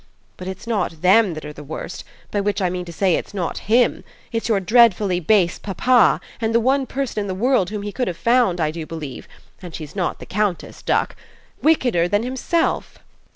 But it's not THEM that are the worst by which I mean to say it's not HIM: it's your dreadfully base papa and the one person in the world whom he could have found, I do believe and she's not the Countess, duck wickeder than himself.